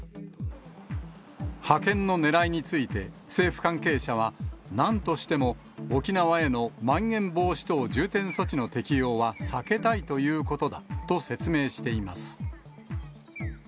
派遣のねらいについて、政府関係者は、なんとしても沖縄へのまん延防止等重点措置の適用は避けたいということだと説明しています。